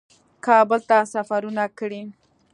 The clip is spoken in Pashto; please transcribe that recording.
کابل ته سفرونه کړي